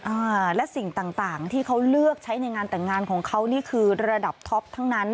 อ่าและสิ่งต่างต่างที่เขาเลือกใช้ในงานแต่งงานของเขานี่คือระดับท็อปทั้งนั้น